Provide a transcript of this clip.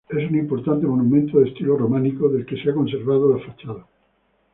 Es un importante monumento de estilo románico del que se ha conservado la fachada.